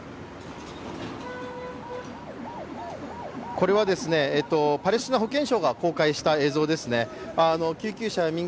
これはパレスチナ保健省が公開した映像ですね